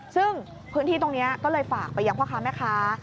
ซึ่งพื้นที่ตรงนี้ก็เลยฝากไปยังพ่อค้าแม่ค้า